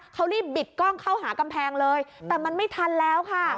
เขารีบบิดกล้องเข้าหากำแพงเลยแต่มันไม่ทันแล้วค่ะ